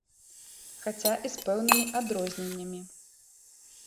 Хаця і з пэўнымі адрозненнямі.